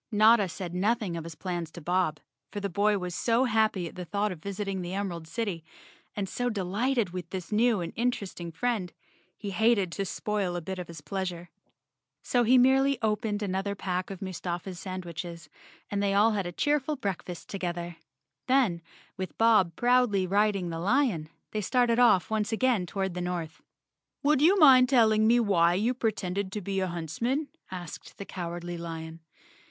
Notta said nothing of his plans to Bob, for the boy was so happy at the thought of visiting the Emerald City, and so delighted with this new and interesting friend, he hated to spoil a bit of his pleasure. So he merely opened another pack of Mustafa's sandwiches 121 The Cowardly Lion of Oz _ and they all had a cheerful breakfast together. Then, with Bob proudly riding the lion, they started off once again toward the north. "Would you mind telling me why you pretended to be a huntsman?" asked the Cowardly lion.